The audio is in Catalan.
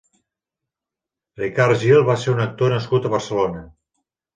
Rikar Gil va ser un actor nascut a Barcelona.